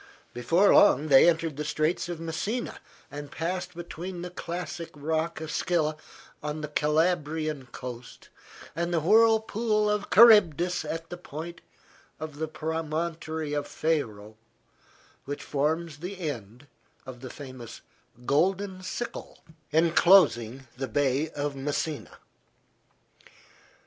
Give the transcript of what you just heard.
Before long they entered the Straits of Messina and passed between the classic rock of Scylla on the Calabrian coast, and the whirlpool of Charybdis at the point of the promontory of Faro, which forms the end of the famous "Golden Sickle" enclosing the Bay of Messina.